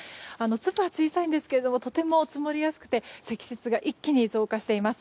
粒は小さいんですがとても積もりやすくて積雪が一気に増加しています。